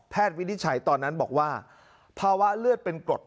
วินิจฉัยตอนนั้นบอกว่าภาวะเลือดเป็นกรด